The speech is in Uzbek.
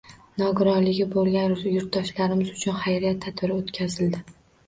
Nogironligi bo‘lgan yurtdoshlarimiz uchun xayriya tadbiri o‘tkazildi